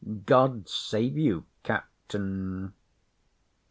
— God save you, Captain.